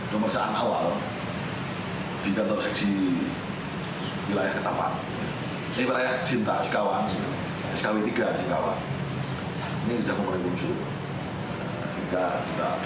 pemirsaan awal di kantor seksi wilayah ketapa